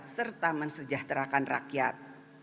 serta mensejahterakan rakyat